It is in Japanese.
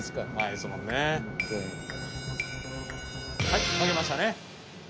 はい書けましたね。